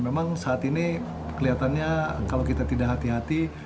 memang saat ini kelihatannya kalau kita tidak hati hati